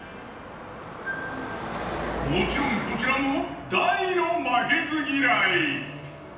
もちろんこちらも大の負けず嫌い。